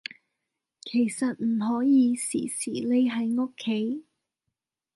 其實唔可以時時匿喺屋企